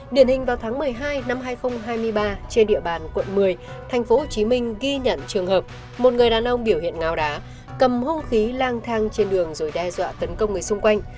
điển hình vào tháng một mươi hai năm hai nghìn hai mươi ba trên địa bàn quận một mươi thành phố hồ chí minh ghi nhận trường hợp một người đàn ông biểu hiện ngào đá cầm hông khí lang thang trên đường rồi đe dọa tấn công người xung quanh